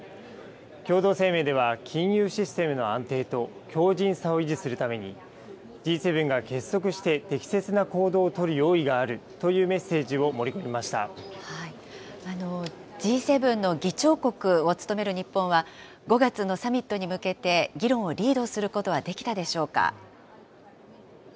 共同声明では金融システムの安定と、強じんさを維持するために、Ｇ７が結束して適切な行動を取る用意があるというメッセージを盛Ｇ７の議長国を務める日本は、５月のサミットに向けて、議論をリードすることはできたでしょう